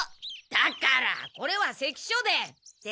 だからこれは関所で！